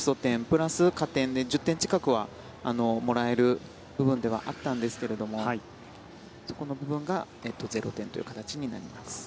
プラス加点で１０点近くはもらえる部分ではあったんですがそこの部分が０点という形になります。